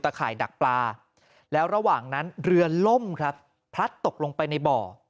ข่ายดักปลาแล้วระหว่างนั้นเรือล่มครับพลัดตกลงไปในบ่อ